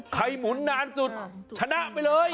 หมุนนานสุดชนะไปเลย